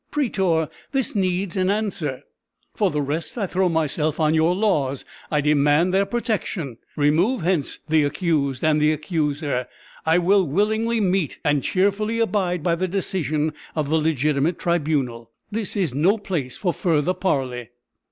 Prætor, this needs an answer. For the rest, I throw myself on your laws. I demand their protection. Remove hence the accused and the accuser. I will willingly meet, and cheerfully abide by the decision of, the legitimate tribunal. This is no place for further parley."